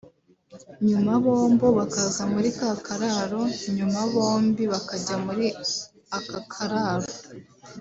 nyuma bombo bakaza muri ka kararo nyuma bombi bakajya muri ako kararo